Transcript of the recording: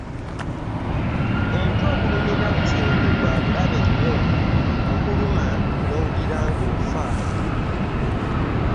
Omutwe ogulumira mu kyenyi gwa bulabe nnyo, gukuluma n'owulira ng'ofa.